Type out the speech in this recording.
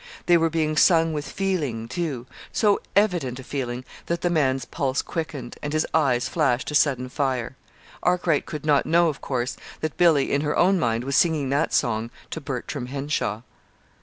They were being sung with feeling, too so evident a feeling that the man's pulse quickened, and his eyes flashed a sudden fire. Arkwright could not know, of course, that Billy, in her own mind, was singing that song to Bertram Henshaw.